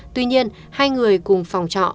tuy nhiên hai người cùng phòng trọ